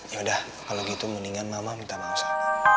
yaudah kalo gitu mendingan mama minta mausah